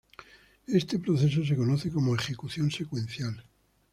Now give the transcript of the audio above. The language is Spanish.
Este proceso se conoce como ejecución secuencial.